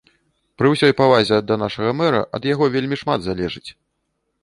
Пры ўсёй павазе да нашага мэра, ад яго вельмі шмат залежыць.